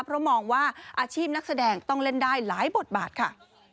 เพราะมองว่าอาชีพนักแสดงต้องเล่นได้หลายบทบาทค่ะ